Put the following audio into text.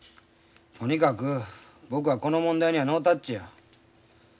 とにかく僕はこの問題にはノータッチや。